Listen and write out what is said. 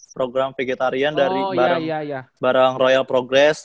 program vegetarian dari barang royal progress